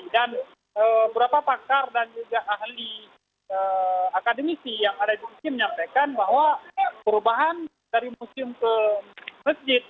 dan beberapa pakar dan juga ahli akademisi yang ada di masjid menyampaikan bahwa perubahan dari museum ke masjid